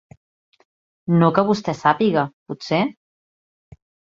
No que vostè sàpiga, potser?